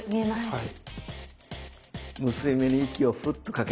はい。